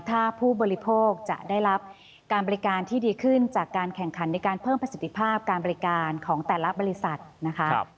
ถ้าผู้บริโภคจะได้รับการบริการที่ดีขึ้นจากการแข่งขันในการเพิ่มประสิทธิภาพการบริการของแต่ละบริษัทนะคะ